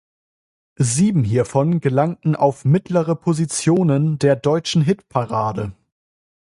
Sieben hiervon gelangten auf mittlere Positionen der deutschen Hitparade.